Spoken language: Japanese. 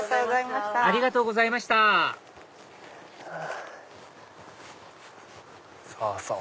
ありがとうございましたそうそう！